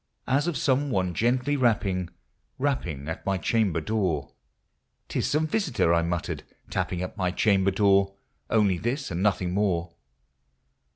As of some one gently rapping, rapping at my chamber door. " 'T is some visitor," I muttered, " tapping at my chamber door ; Only this, and nothing more."